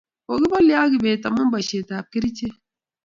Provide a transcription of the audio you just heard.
kokibolie ak kibet amu boishet ab kerichek